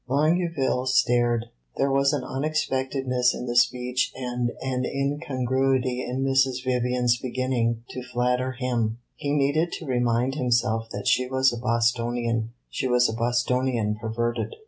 Longueville stared; there was an unexpectedness in the speech and an incongruity in Mrs. Vivian's beginning to flatter him. He needed to remind himself that if she was a Bostonian, she was a Bostonian perverted.